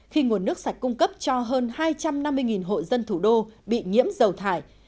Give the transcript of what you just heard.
khi nguồn nước sạch cung cấp cho hơn hai trăm năm mươi hộ dân thủ đô bị nhiễm dầu thải